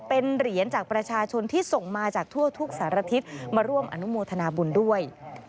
เป็นเหรียญจากประชาชนที่ส่งมาจากทั่วทุกสารทิศมาร่วมอนุโมทนาบุญด้วย